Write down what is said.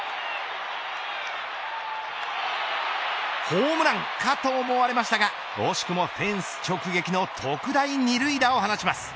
ホームランかと思われましたが惜しくもフェンス直撃の特大二塁打を放ちます。